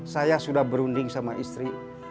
saya sudah berunding sama istri